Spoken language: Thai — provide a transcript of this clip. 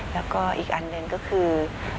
แล้วก็อีกอันหนึ่งก็คือ